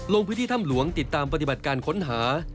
ลงพื้นที่ถ้ำหลวงติดตามปฏิบัติการค้นหา